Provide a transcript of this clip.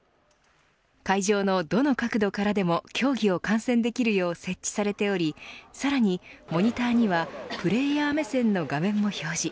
会場のどの角度からでも競技を観戦できるよう設置されておりさらにモニターにはプレーヤー目線の画面も表示。